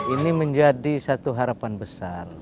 ini menjadi satu harapan besar